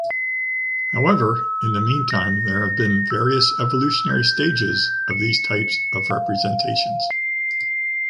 However, in the meantime there have been various evolutionary stages of these types of representations.